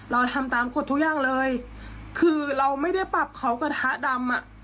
เราทำตามกฎทุกอย่างเลยคือเราไม่ได้ปรับเขากระทะดำอ่ะ